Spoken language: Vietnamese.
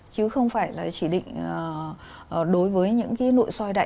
chứ không phải chỉ định đối với những nội soi dạ dày